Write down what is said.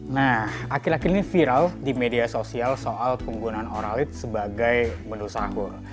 nah akhir akhir ini viral di media sosial soal penggunaan oralit sebagai menu sahur